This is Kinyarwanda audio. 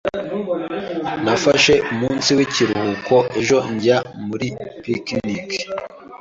Nafashe umunsi w'ikiruhuko ejo njya muri picnic.